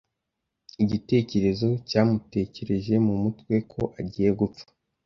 Igitekerezo cyamutekereje mu mutwe ko agiye gupfa.